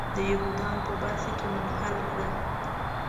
د یهودانو په برخه کې منحل کړه.